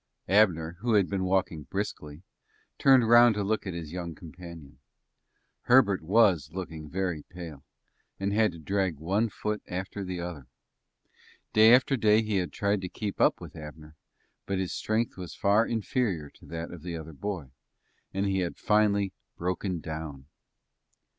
Abner, who had been walking briskly, turned round to look at his young companion. Herbert was looking very pale, and had to drag one foot after the other. Day after day he had tried to keep up with Abner, but his strength was far inferior to that of the other boy, and he had finally broken down.